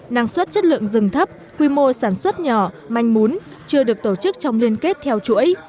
năng suất chất lượng rừng thấp quy mô sản xuất nhỏ manh mún chưa được tổ chức trong liên kết theo chuỗi